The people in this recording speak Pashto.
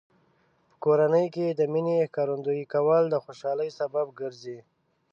په کورنۍ کې د مینې ښکارندوی کول د خوشحالۍ سبب ګرځي.